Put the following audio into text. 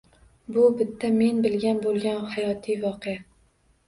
Bu bitta men bilgan bo‘lgan hayotiy voqea.